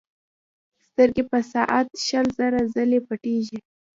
سترګې په ساعت شل زره ځلې پټېږي.